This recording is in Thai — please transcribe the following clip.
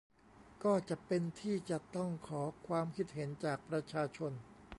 ก็จะเป็นที่จะต้องขอความคิดเห็นจากประชาชน